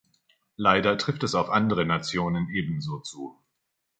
Leider trifft es auf andere Nationen ebenso zu.